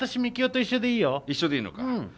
一緒でいいのか？